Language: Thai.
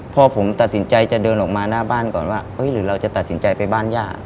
พ่อผมตัดสินใจจะเดินออกมาหน้าบ้านก่อนว่าหรือเราจะตัดสินใจไปบ้านย่า